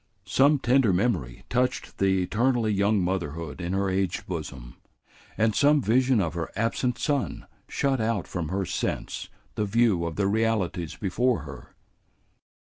Some tender memory touched the eternally young motherhood in her aged bosom, and some vision of her absent son shut out from her sense the view of the realities before her.